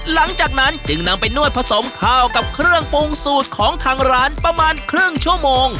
หลังจากนั้นจึงนำไปนวดผสมข้าวกับเครื่องปรุงสูตรของทางร้านประมาณครึ่งชั่วโมง